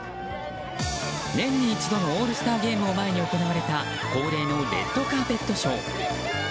年に一度のオールスターゲームを前に行われた恒例のレッドカーペットショー。